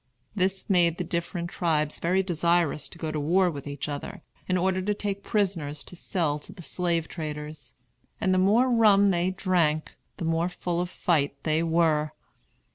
This made the different tribes very desirous to go to war with each other, in order to take prisoners to sell to the slave traders; and the more rum they drank, the more full of fight they were.